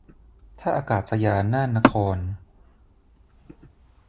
ท่าอากาศยานน่านนคร